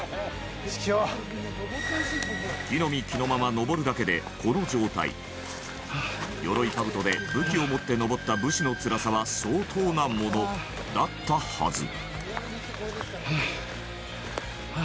着の身着のまま上るだけでこの状態鎧兜で武器を持って上った武士のつらさは相当なものだったはず